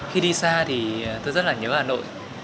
khi đi xa thì tôi rất là nhớ hà nội